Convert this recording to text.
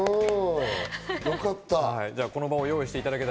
よかった。